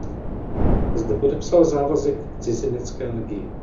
Zde podepsal závazek k Cizinecké legii.